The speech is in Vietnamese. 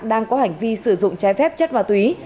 đang có hành vi sử dụng trái phép chất ma túy